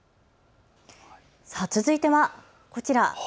さあ続いてはこちら。